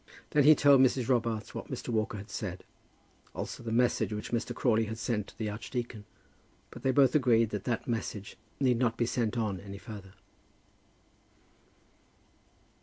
Then he told Mrs. Robarts what Mr. Walker had said; also the message which Mr. Crawley had sent to the archdeacon. But they both agreed that that message need not be sent on any further.